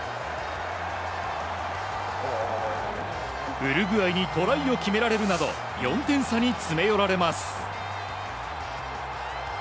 ウルグアイにトライを決められるなど４点差に詰め寄られます。